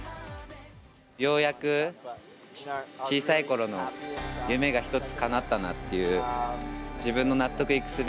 ようやく小さいころの夢が１つかなったなっていう、自分の納得いく